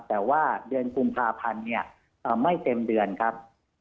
แต่ว่าเดือนกุมภาพันธ์เนี่ยไม่เต็มเดือนครับ